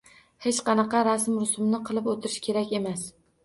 Hech qanaqa rasm-rusumni qilib o`tirish kerak emas